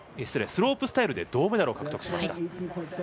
スロープスタイルで銅メダルを獲得しました。